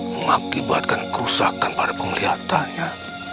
mengakibatkan kerusakan pada penglihatannya